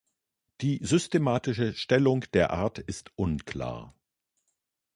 Die systematische Stellung der Art ist unklar.